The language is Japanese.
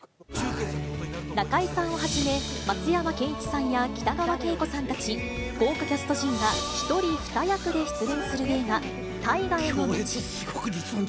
中井さんをはじめ、松山ケンイチさんや北川景子さんたち、豪華キャスト陣が１人２役で出演する映画、大河への道。